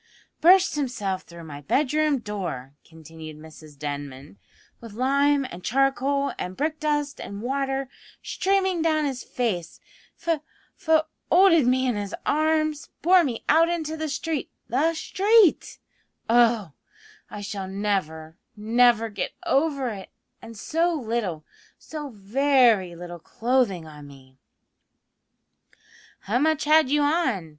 "Burst himself through my bedroom door," continued Mrs Denman, "with lime and charcoal and brick dust and water streaming down his face f fo olded me in his arms, bore me out into the street the street! Oh! I shall never, never get over it; and so little, so very little clothing on me " "How much had you on?"